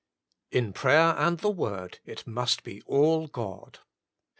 In prayer and the Word it must be all — God.